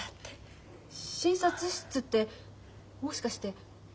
診察室ってもしかして。